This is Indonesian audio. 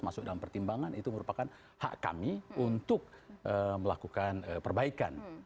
masuk dalam pertimbangan itu merupakan hak kami untuk melakukan perbaikan